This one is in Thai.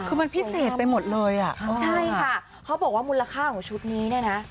คือมันพิเศษไปหมดเลยอ่ะใช่ค่ะเขาบอกว่ามูลค่าของชุดนี้เนี่ยนะ